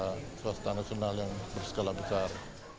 jadi itu adalah suatu suasana nasional yang berskala besar